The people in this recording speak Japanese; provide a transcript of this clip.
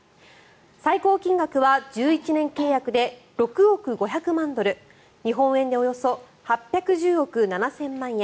最高金額は１１年契約で６億５００万ドル日本円でおよそ８１０億７０００万円。